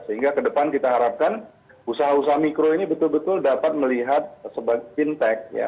sehingga ke depan kita harapkan usaha usaha mikro ini betul betul dapat melihat sebagai fintech ya